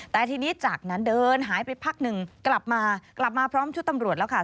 แต่ทีนี้จากนั้นเดินหายไปพักหนึ่งกลับมากลับมาพร้อมชุดตำรวจแล้วค่ะ